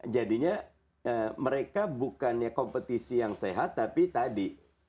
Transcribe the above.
jadinya mereka bukannya kompetisi yang sehat tapi tadi